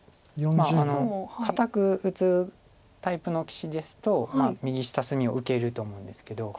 まあ堅く打つタイプの棋士ですと右下隅を受けると思うんですけど。